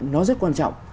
nó rất quan trọng